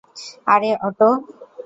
আরে, অটো।